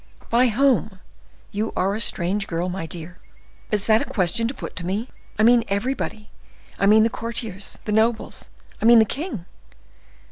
"By whom? You are a strange girl, my dear. Is that a question to put to me? I mean everybody; I mean the courtiers, the nobles; I mean the king."